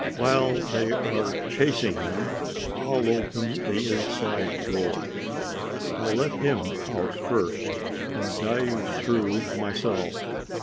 While they are chasing him, I'll open the inside door. I'll let him out first and dive through myself.